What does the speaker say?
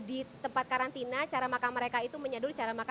di tempat karantina cara makan mereka itu menyadul cara makan